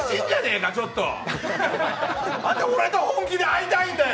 なんで俺と本気で会いたいんだよ。